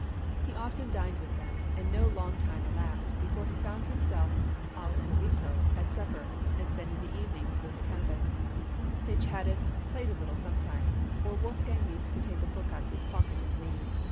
He often dined with them, and no long time elapsed before he found himself "al solito" at supper and spending the evening with the Cannabichs; they chatted, played a little sometimes, or Wolfgang used to take a book out of his pocket and read.